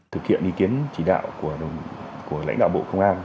thực hiện ý kiến chỉ đạo của lãnh đạo bộ công an